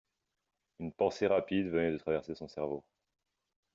Une pensée rapide venait de traverser son cerveau.